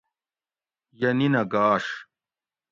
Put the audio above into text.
یہ نِنہ گاش